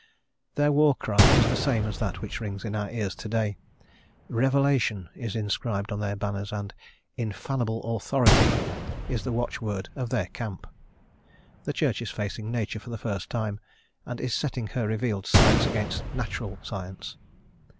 Their war cry is the same as that which rings in our ears to day; "revelation" is inscribed on their banners and "infallible authority" is the watchword of their camp. The Church is facing nature for the first time, and is setting her revealed science against natural science.